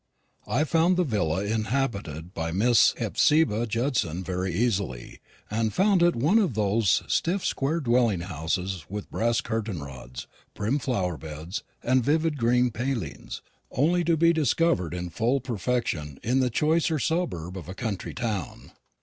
I found the villa inhabited by Miss Hephzibah Judson very easily, and found it one of those stiff square dwelling houses with brass curtain rods, prim flower beds, and vivid green palings, only to be discovered in full perfection in the choicer suburb of a country town.